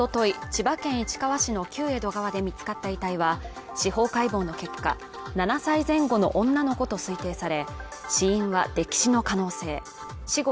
千葉県市川市の旧江戸川で見つかった遺体は司法解剖の結果７歳前後の女の子と推定され死因は溺死の可能性死後